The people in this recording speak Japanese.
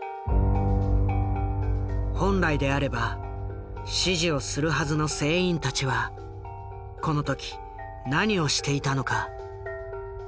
本来であれば指示をするはずの船員たちはこの時何をしていたのか。